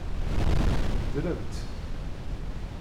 Tbeddlem-tt?